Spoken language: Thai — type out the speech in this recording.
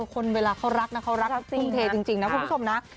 คนเวลาเขารักนะเขารักทุ่มเทจริงนะคุณผู้ชมนะ